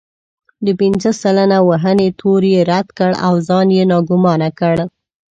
د پنځه سلنه وهنې تور يې رد کړ او ځان يې ناګومانه کړ.